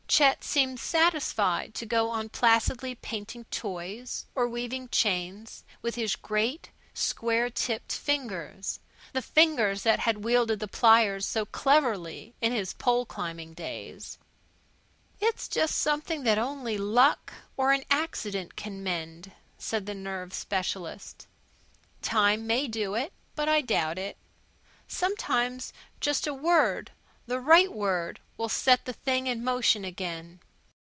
Chet seemed satisfied to go on placidly painting toys or weaving chains with his great, square tipped fingers the fingers that had wielded the pliers so cleverly in his pole climbing days. "It's just something that only luck or an accident can mend," said the nerve specialist. "Time may do it but I doubt it. Sometimes just a word the right word will set the thing in motion again.